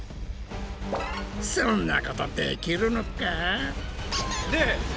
そんなことできるのか？